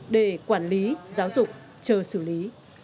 để quản lý giáo dục chờ xử lý